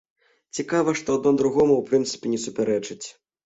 Цікава, што адно другому, у прынцыпе, не супярэчыць.